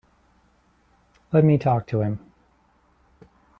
Let me talk to him.